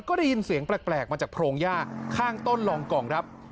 ก็ได้ยินเสียงแปลกมาจากโพรงย่าข้างต้นรองกล่องครับ